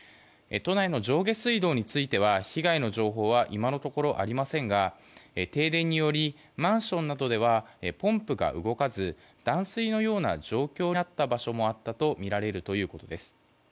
都内の上下水道については被害の情報は今のところありませんが停電によりマンションなどではポンプが動かず断水のような状況になった場所もあったとみられるということです。